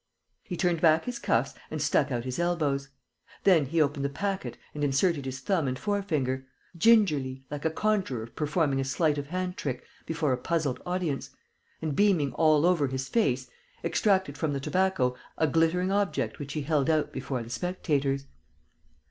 He turned back his cuffs and stuck out his elbows. Then he opened the packet and inserted his thumb and fore finger, slowly, gingerly, like a conjurer performing a sleight of hand trick before a puzzled audience, and, beaming all over his face, extracted from the tobacco a glittering object which he held out before the spectators.